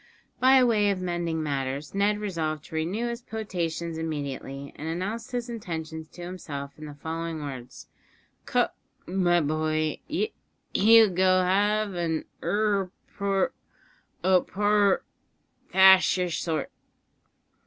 By way of mending matters, Ned resolved to renew his potations immediately, and announced his intentions to himself in the following words: "Com mi boy y you'll go ave an urrer por o porer thash yer sort!"